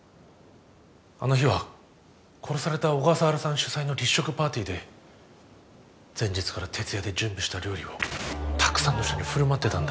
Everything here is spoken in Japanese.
あの日は殺された小笠原さん主催の立食パーティーで前日から徹夜で準備した料理をたくさんの人に振る舞ってたんだ。